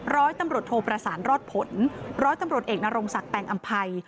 ร้อยตำรวจโทประสานรอดผลร้อยตำรวจเอกนรงศักดิ์แปลงอำภัย